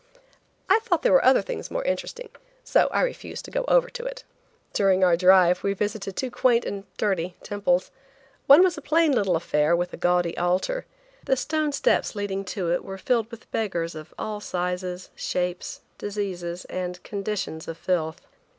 I thought there were other things more interesting, so I refused to go over to it. During our drive we visited two quaint and dirty temples. One was a plain little affair with a gaudy altar. The stone steps leading to it were filled with beggars of all sizes, shapes, diseases and conditions of filth.